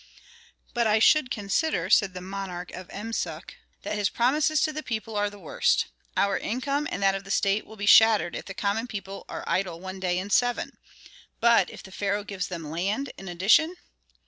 "But I should consider," said the nomarch of Emsuch, "that his promises to the people are the worst. Our income and that of the state will be shattered if the common people are idle one day in seven. But if the pharaoh gives them land in addition?"